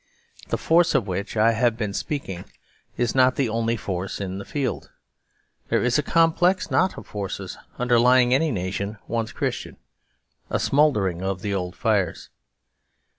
The force of which I have been speaking is not the only force in the field. There is a complex knot of forces underlyingany nation once Christian; a smouldering of the old fires.